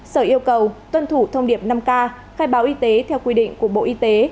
sở yêu cầu tuân thủ thông điệp năm k khai báo y tế theo quy định của bộ y tế